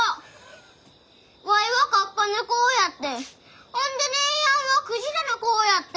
ワイはカッパの子やってほんで姉やんはクジラの子やって。